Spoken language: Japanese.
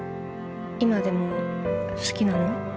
今でも好きなの？